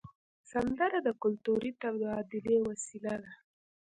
سندره د کلتوري تبادلې وسیله ده